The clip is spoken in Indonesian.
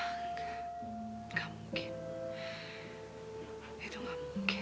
tapi sekarang rumana udah bersama rahmadi